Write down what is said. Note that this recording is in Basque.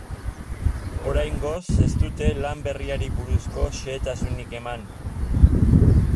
Oraingoz ez dute lan berriari buruzko xehetasunik eman.